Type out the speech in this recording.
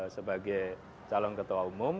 sebagai calon ketua umum